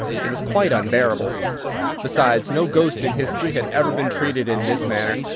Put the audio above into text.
It was quite unbearable. Besides, no ghost in history had ever been treated in this manner.